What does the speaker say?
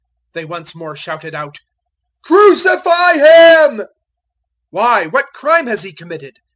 015:013 they once more shouted out, "Crucify Him!" 015:014 "Why, what crime has he committed?"